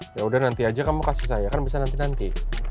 ya udah nanti aja kamu kasih saya kan bisa nanti nanti